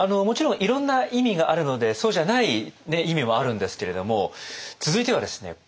もちろんいろんな意味があるのでそうじゃない意味もあるんですけれど続いてはですね